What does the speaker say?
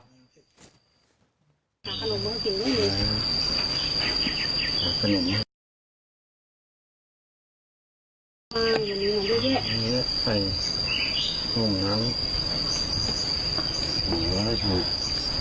พ่อแม่เสียทีเวลาวันนี้พ่อแม่และน้องชมพู่แจกข้าวของมากมาก